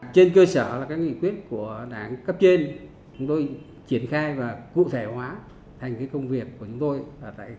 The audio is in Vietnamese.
trên cơ sở là các nghị quyết của đảng cấp trên chúng tôi triển khai và cụ thể hóa thành công việc của chúng tôi